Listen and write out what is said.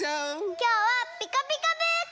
きょうは「ピカピカブ！」から！